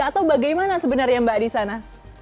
atau bagaimana sebenarnya mbak di sana